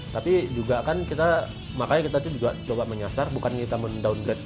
tapi juga kan kita makanya kita juga coba menyasar bukan kita mendowngrade